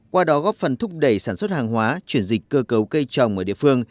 qua đó góp phần thúc đẩy sản xuất hàng hóa chuyển dịch cơ cấu cây trồng ở địa phương